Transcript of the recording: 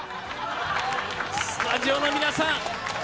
スタジオの皆さん